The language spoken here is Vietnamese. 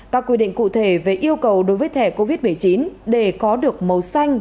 các quy định cụ thể về yêu cầu đối với thẻ covid một mươi chín để có được màu xanh